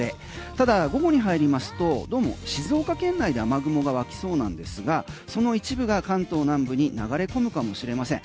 ただ午後に入りますとどうも静岡県内で雨雲が湧きそうなんですがその一部が関東南部に流れ込むかもしれません。